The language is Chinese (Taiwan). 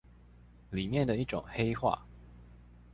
裡面的一種黑話